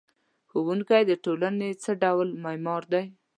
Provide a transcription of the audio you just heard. ښوونکی د ټولنې څه ډول معمار دی؟